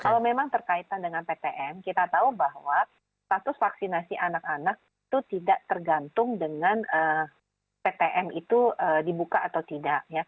kalau memang terkaitan dengan ptm kita tahu bahwa status vaksinasi anak anak itu tidak tergantung dengan ptm itu dibuka atau tidak